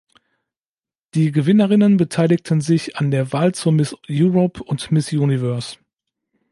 Die Gewinnerinnen beteiligten sich an der Wahl zur Miss Europe und Miss Universe.